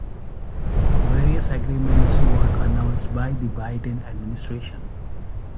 Various agreements were announced by the Biden administration.